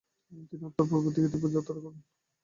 তিনি উত্তর-পূর্ব দিকে তিব্বত যাত্রা করেন।